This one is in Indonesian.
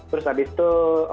terus habis itu